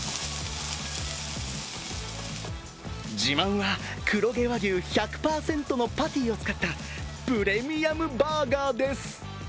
自慢は黒毛和牛１００％のパティを使ったプレミアムバーガーです。